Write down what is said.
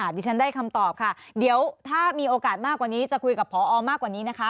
ดิฉันได้คำตอบค่ะเดี๋ยวถ้ามีโอกาสมากกว่านี้จะคุยกับพอมากกว่านี้นะคะ